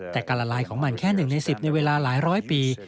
แต่การละลายของมันแค่๑ใน๑๐ในเวลาหลายร้อยปี